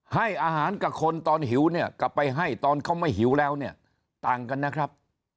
ให้อาหารกับคนตอนหิวเนี่ยกลับไปให้ตอนเขาไม่หิวแล้วเนี่ยต่างกันนะครับ